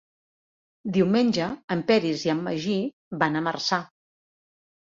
Diumenge en Peris i en Magí van a Marçà.